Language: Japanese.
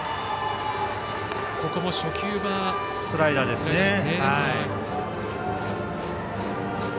ここも初球はスライダーですね。